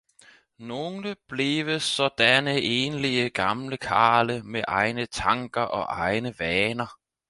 nogle bleve saadanne eenlige, gamle Karle, med egne Tanker og egne Vaner.